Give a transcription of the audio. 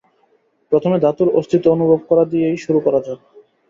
প্রথমে ধাতুর অস্তিত্ব অনুভব করা দিয়েই শুরু করা যাক।